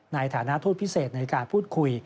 ในฐานะทูตพิเศษในการพูดคุย